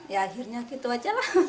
ya akhirnya gitu aja lah